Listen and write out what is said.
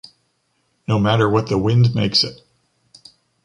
No matter what the wind makes it!